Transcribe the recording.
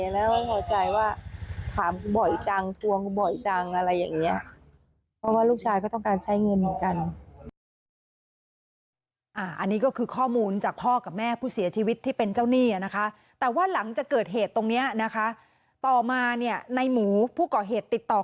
ไม่พอใจว่าถามกูบ่อยจังทวงกูบ่อยจังอะไรอย่างนี้